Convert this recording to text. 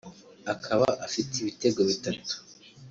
akaba afite ibitego bitatu